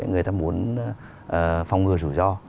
người ta muốn phong ngừa rủi ro